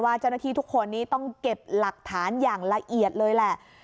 เจ้าหน้าที่ทุกคนนี้ต้องเก็บหลักฐานอย่างละเอียดเลยแหละ